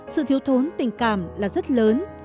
sự thiếu thốn tình cảm là rất lớn